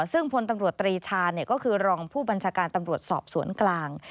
ซึ่งพลตำรวจตรีชาก็คือรองผู้บัญชาการตำรวจสอบสวนกลาง